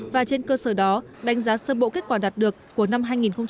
và trên cơ sở đó đánh giá sơ bộ kết quả đạt được của năm hai nghìn hai mươi